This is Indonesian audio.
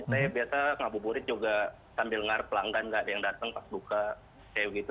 jadi saya biasa ngabuburit juga sambil ngarap pelanggan gak ada yang datang pas buka kayak gitu